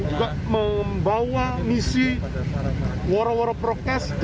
juga membawa misi woro woro prokes